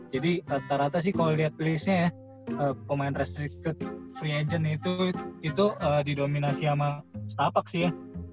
jadi rata rata sih kalau lihat playlist nya ya pemain restricted free agent itu didominasi sama stapak sih ya